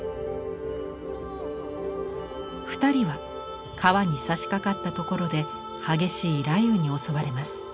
２人は川にさしかかったところで激しい雷雨に襲われます。